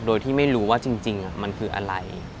โดยที่ไม่รู้ว่าจริงมันคืออะไร